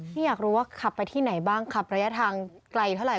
อยากรู้ว่าขับไปที่ไหนบ้างขับระยะทางไกลเท่าไห